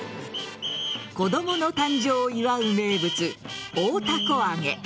子供の誕生を祝う名物大たこ揚げ。